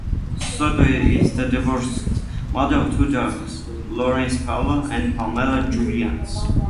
Soto is the divorced mother of two daughters: Lorenis Paola and Pamela Julianys.